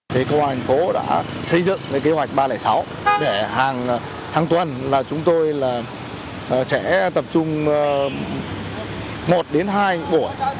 thế công an tp đã xây dựng kế hoạch ba trăm linh sáu để hàng tuần chúng tôi sẽ tập trung một hai buổi